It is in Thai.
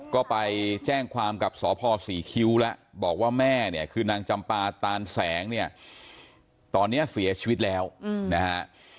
ก็ไปแจ้งความกับสพศรีคิ้วแล้วบอกว่าแม่เนี่ยคือนางจำปาตานแสงเนี่ยตอนนี้เสียชีวิตแล้วนะฮะ